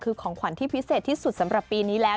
คือของขวัญที่พิเศษที่สุดสำหรับปีนี้แล้ว